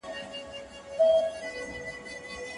پلان مو د وخت د مدیریت وسیله ده.